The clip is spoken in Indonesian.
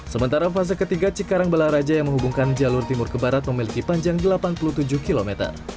sementara fase ketiga cikarang balaraja yang menghubungkan jalur timur ke barat memiliki panjang delapan puluh tujuh km